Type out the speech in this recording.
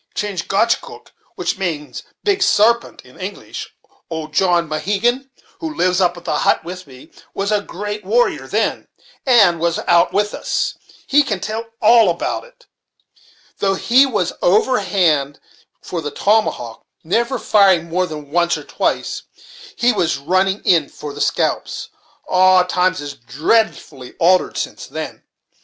Chingachgook, which means 'Big Sarpent' in English, old John Mohegan, who lives up at the hut with me, was a great warrior then, and was out with us; he can tell all about it, too; though he was overhand for the tomahawk, never firing more than once or twice, before he was running in for the scalps. Ah! times is dreadfully altered since then.